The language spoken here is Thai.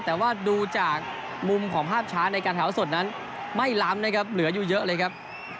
แต่ว่าดูจากมุมของภาพช้าในการแถวสดนั้นไม่ล้ำนะครับเหลืออยู่เยอะเลยครับ